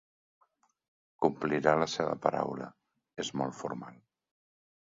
Complirà la seva paraula: és molt formal.